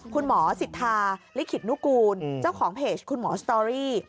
คุณหมอสิทธาลิขิตนุกูลเจ้าของเพจคุณหมอสตอรี่